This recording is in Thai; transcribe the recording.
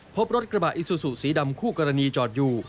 พบรถกระบะอิซูซูสีดำคู่กรณีจอดอยู่